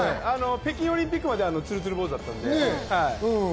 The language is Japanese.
北京オリンピックまでツルツル坊主だったので。